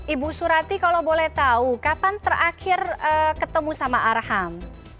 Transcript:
ibu surati kalau boleh tahu kapan terakhir ketemu sama arham